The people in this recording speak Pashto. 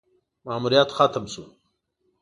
ماموریت ختم شو: